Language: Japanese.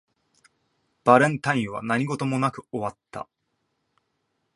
バレンタインは何事もなく終わった